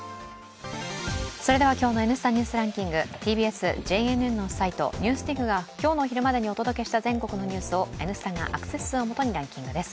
それでは今日のニュースランキング、ＴＢＳ・ＪＮＮのサイト、ＮＥＷＳＤＩＧが今日の昼までにお届けした全国のニュースを、「Ｎスタ」がアクセス数をもとにランキングです。